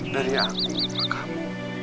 dari aku sama kamu